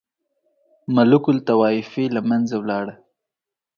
ملوک الطوایفي له منځه ولاړه.